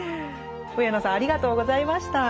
上野さんありがとうございました。